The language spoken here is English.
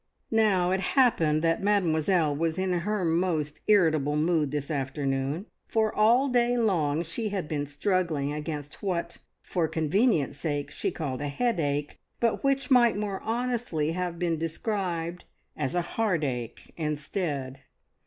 Now it happened that Mademoiselle was in her most irritable mood this afternoon, for all day long she had been struggling against what, for convenience' sake, she called a headache, but which might more honestly have been described as a heartache instead.